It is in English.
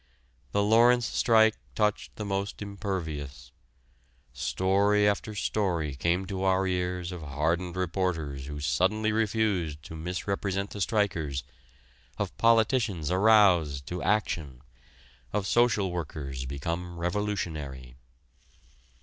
The Lawrence strike touched the most impervious: story after story came to our ears of hardened reporters who suddenly refused to misrepresent the strikers, of politicians aroused to action, of social workers become revolutionary.